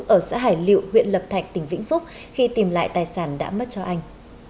ở xã hải liệu huyện lập thạch tỉnh vĩnh phúc khi tìm lại tài sản đã mất cho anh